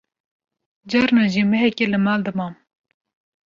carna jî mehekî li mal dimam